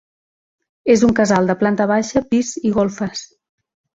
És un casal de planta baixa, pis i golfes.